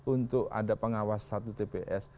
untuk ada pengawas satu tps